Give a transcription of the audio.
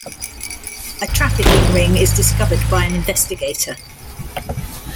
A trafficking ring is discovered by an investigator.